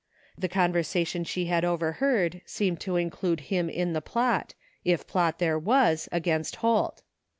The conversation she had overheard seemed to include him in the plot, if plot there was, against Holt.